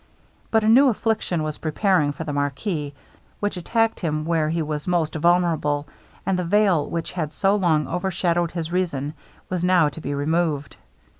But a new affliction was preparing for the marquis, which attacked him where he was most vulnerable; and the veil, which had so long overshadowed his reason, was now to be removed.